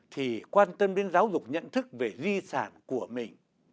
thì quan tâm đến giáo dục nhận thức về di sản của mình